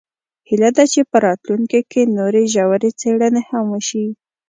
هیله ده چې په راتلونکي کې نورې ژورې څیړنې هم وشي